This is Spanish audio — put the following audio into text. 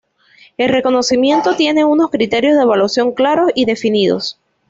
El reconocimiento tiene unos criterios de evaluación claros y definidos.